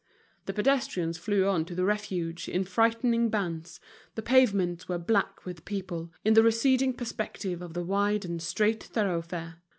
The pedestrians flew on to the refuges in frightened bands, the pavements were black with people, in the receding perspective of the wide and straight thoroughfare.